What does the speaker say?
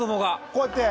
こうやって？